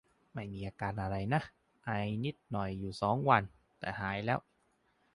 ไม่มีอาการอะไรนะ ไอนิดหน่อยอยู่สองวัน แต่หายแล้ว